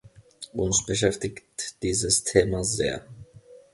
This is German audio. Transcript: Uns beschäftigt dieses Thema sehr.